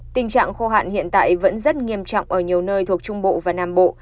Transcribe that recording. tình trạng khô hạn hiện tại vẫn rất nghiêm trọng ở nhiều nơi thuộc trung bộ và nam bộ